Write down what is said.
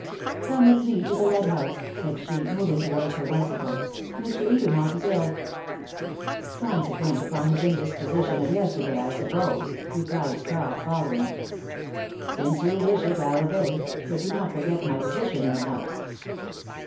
"Come with me to the Red House," said she, moving towards her bicycle. "Mr. Edermont is ill." "Consequent upon his indisposition of yesterday, I suppose," replied Scott, following. "Since you wish it, I obey; but do not forget my position in the house."